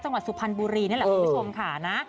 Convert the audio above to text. สุพรรณบุรีนี่แหละคุณผู้ชมค่ะนะ